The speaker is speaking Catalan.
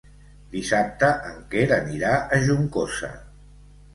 Dissabte en Quer anirà a Juncosa.